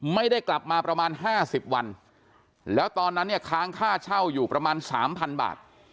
ไม่ได้กลับมาประมาณ๕๐วันแล้วตอนนั้นเนี่ยค้างค่าเช่าอยู่ประมาณสามพันบาท